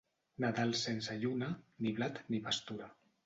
Nadal sense lluna, ni blat, ni pastura.